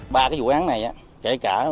ba cái vụ án này kể cả